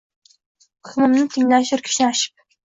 Hukmimni tinglashur kishnashib.